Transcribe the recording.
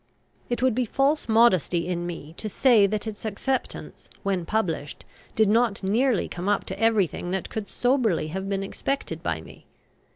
It would be false modesty in me to say that its acceptance, when published, did not nearly come up to everything that could soberly have been expected by me.